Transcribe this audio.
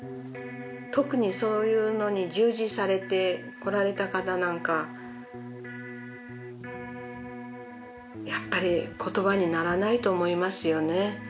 特にそういうのに従事されてこられた方なんかやっぱり言葉にならないと思いますよね